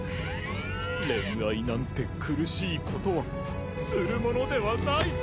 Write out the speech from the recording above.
恋愛なんて苦しいことはするものではないと！